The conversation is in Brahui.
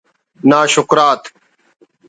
ناشکرات